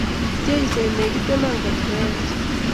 Jesu inegitena kat koech